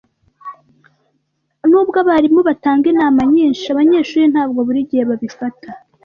Nubwo abarimu batanga inama nyinshi, abanyeshuri ntabwo buri gihe babifata.